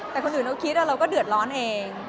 แต่คนอื่นเราคิดเราก็เดือดร้อนเอง